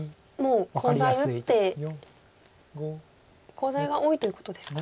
コウ材が多いということですか。